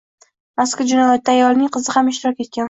Mazkur jinoyatda ayolning qizi ham ishtirok etgan